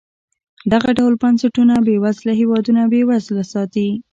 دغه ډول بنسټونه بېوزله هېوادونه بېوزله ساتي.